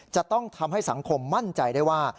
จะต้องทำให้สังคมมั่นใจได้ว่า